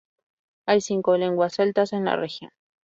Hay cinco lenguas celtas en la región.